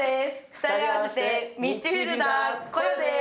２人合わせて「ミッチフィルダーこよ」です。